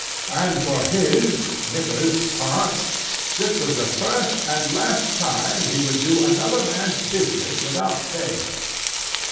And for his (Nippers') part, this was the first and the last time he would do another man's business without pay.